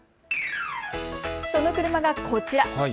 その車がこちら。